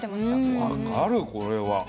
分かるこれは。